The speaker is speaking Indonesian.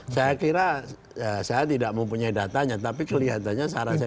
saya kira saya tidak mempunyai datanya tapi kelihatannya sarah zain ini